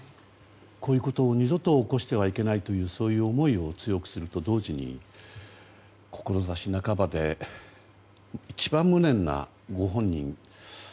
こういうことを二度と起こしてはいけないというそういう思いを強くすると同時に志半ばで一番無念なご本人